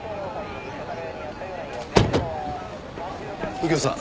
右京さん